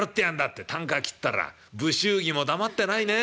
ってたんか切ったら不祝儀も黙ってないね。